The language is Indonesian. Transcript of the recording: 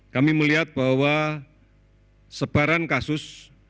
kami melihat bahwa sebaran kasus